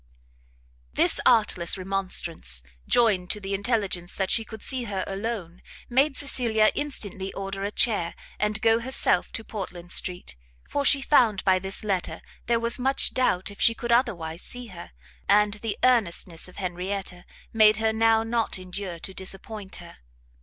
This artless remonstrance, joined to the intelligence that she could see her alone, made Cecilia instantly order a chair, and go herself to Portland street: for she found by this letter there was much doubt if she could otherwise see her, and the earnestness of Henrietta made her now not endure to disappoint her.